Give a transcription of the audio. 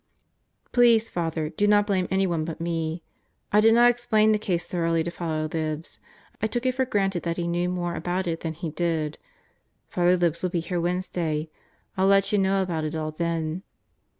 ... Please, Father, do not blame anyone but me. I did not explain the case thoroughly to Father Libs. I took it for granted that he knew more about it than he did. ... Father Libs will be here Wednesday. I'll let you know about it all then.